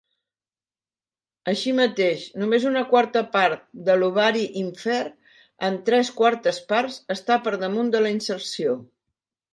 Així mateix, només una quarta part de l'ovari ínfer en tres quartes parts està per damunt de la inserció.